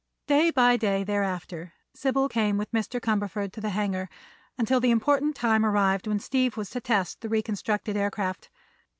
Day by day, thereafter, Sybil came with Mr. Cumberford to the hangar, until the important time arrived when Steve was to test the reconstructed aircraft.